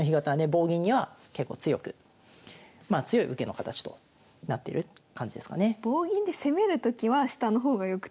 棒銀には結構強くまあ強い受けの形となってる感じですかね。